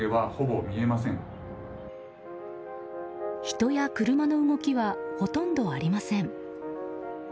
人や車の動きはほとんどありません。